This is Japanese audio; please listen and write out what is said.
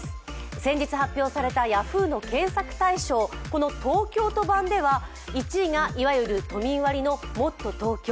先日発表されたＹａｈｏｏ！検索大賞、この東京都版では１位が、いわゆる都民割のもっとＴｏｋｙｏ。